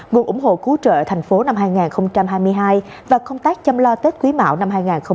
nguồn ủng hộ cứu trợ thành phố năm hai nghìn hai mươi hai và công tác chăm lo tết quý mạo năm hai nghìn hai mươi bốn